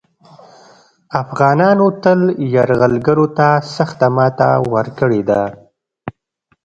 افغانانو تل یرغلګرو ته سخته ماته ورکړې ده